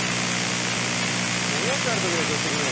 おやつある時だけ寄って来るね。